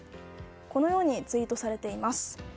このようにツイートされています。